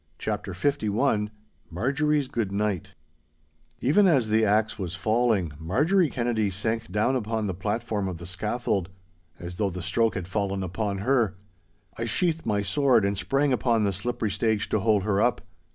*CHAPTER LI* *MARJORIE'S GOOD NIGHT* Even as the axe was falling, Marjorie Kennedy sank down upon the platform of the scaffold, as though the stroke had fallen upon her. I sheathed my sword, and sprang upon the slippery stage to hold her up.